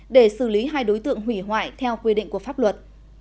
để xử lý hai đối tượng hủy hoại theo quy định của pháp luật